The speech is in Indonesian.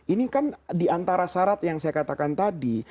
ini kan diantara syarat yang saya katakan tadi